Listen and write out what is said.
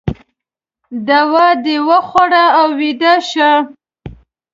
دوا د وخوره او ویده شه